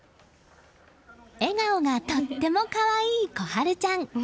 笑顔がとっても可愛い心陽ちゃん。